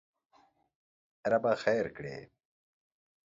ربه خېر کړې!